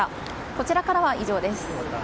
こちらからは以上です。